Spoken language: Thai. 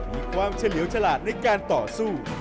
มีความเฉลียวฉลาดในการต่อสู้